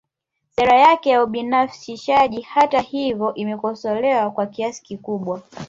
Sera yake ya ubinafsishaji hata hivyo imekosolewa kwa kiasi kikubwa